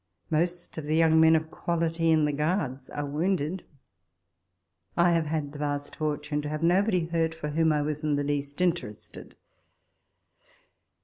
Most of the young men of quality in the Guards are wounded. I have had the vast fortune to have nobody hurt, for whom I was in the least interested.